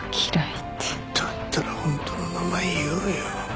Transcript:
だったらホントの名前言おうよ。